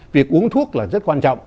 việc uống thuốc là rất quan trọng